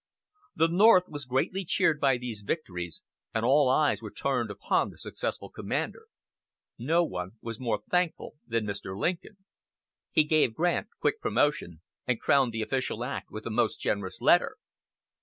The North was greatly cheered by these victories, and all eyes were turned upon the successful commander. No one was more thankful than Mr. Lincoln. He gave Grant quick promotion, and crowned the official act with a most generous letter.